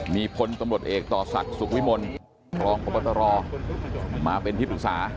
มีพลตำรวจเอกต่อศักดิ์สุขวิมลพร้องพระพระตรอมาเป็นพิพธิศา